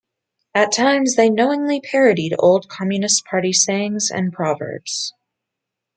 At times they knowingly parodied old Communist Party sayings and proverbs.